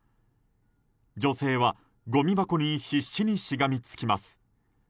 女性はごみ箱に必死にしがみつきます。